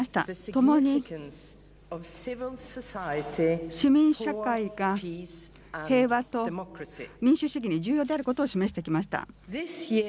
ともに市民社会が平和と民主主義に重要であることを示してきました。